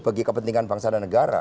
bagi kepentingan bangsa dan negara